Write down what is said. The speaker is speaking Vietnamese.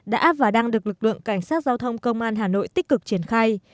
đã và đang được lực lượng cảnh sát giao thông công an hà nội tích cực triển khai